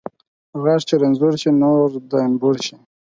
غاښ چې رنځور شي ، نور د انبور شي